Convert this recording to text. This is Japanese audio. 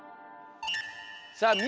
さあみ